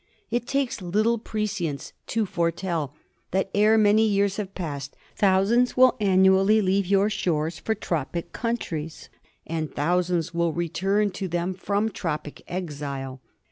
It takes little pre science to foretell that ere many years have passed thousands will annually leave your shores for tropic countries, and thousands will return to^them from tropic exile.